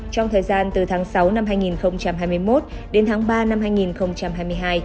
trong thời gian từ tháng sáu năm hai nghìn hai mươi một đến tháng ba năm hai nghìn hai mươi hai